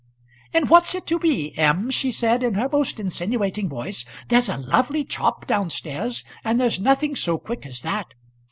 "And what's it to be, M.?" she said in her most insinuating voice "there's a lovely chop down stairs, and there's nothing so quick as that."